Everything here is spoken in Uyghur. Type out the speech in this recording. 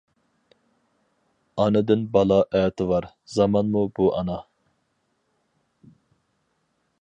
ئانىدىن بالا ئەتىۋار زامانمۇ بۇ ئانا!